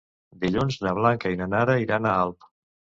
Dilluns na Blanca i na Nara iran a Alp.